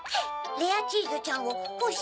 「レアチーズちゃんをほし